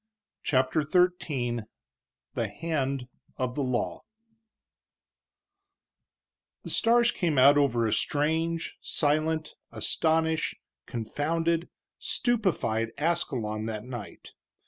CHAPTER XIII THE HAND OF THE LAW The stars came out over a strange, silent, astonished, confounded, stupefied Ascalon that night.